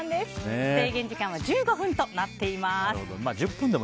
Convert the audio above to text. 制限時間は１５分となっています。